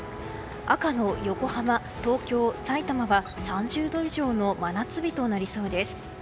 赤の横浜、東京、さいたまは３０度以上の真夏日となりそうです。